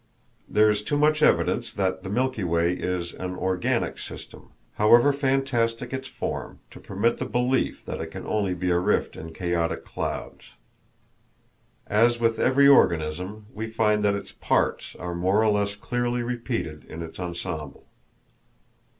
There is too much evidence that the Milky Way is an organic system, however fantastic its form, to permit the belief that it can only be a rift in chaotic clouds. As with every organism, we find that its parts are more or less clearly repeated in its ensemble.